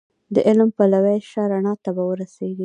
د علم پلوی شه رڼا ته به ورسېږې